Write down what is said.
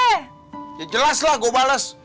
ya jelas lah gue bales